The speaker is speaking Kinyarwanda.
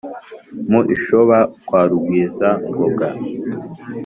Mu Ishoba kwa Rugwizangoga